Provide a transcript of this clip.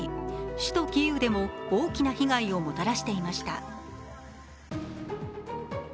首都キーウでも大きな被害をもたらしていました。